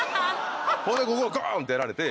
ほんでここをガンってやられて